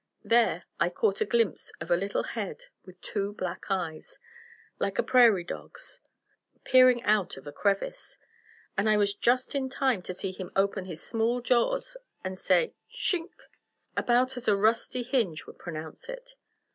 There I caught a glimpse of a little head with two black eyes, like a prairie dog's, peering out of a crevice, and I was just in time to see him open his small jaws and say _"shink" _ about as a rusty hinge would pronounce it.